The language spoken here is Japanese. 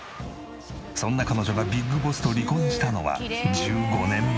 そんな彼女がＢＩＧＢＯＳＳと離婚したのは１５年前。